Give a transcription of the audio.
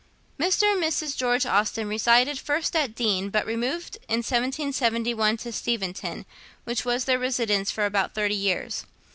Mr. and Mrs. George Austen resided first at Deane, but removed in 1771 to Steventon, which was their residence for about thirty years.